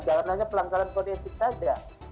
jangan hanya pelanggaran kode etik saja